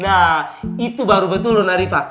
nah itu baru betul lho nona riva